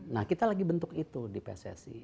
nah kita lagi bentuk itu di pssi